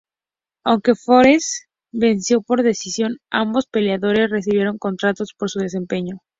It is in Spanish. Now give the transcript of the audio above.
Aunque Forrest Griffin venció por decisión, ambos peleadores recibieron contratos por su desempeño.